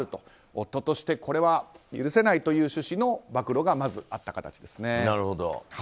夫として、これは許せないという趣旨の暴露がまずあった形です。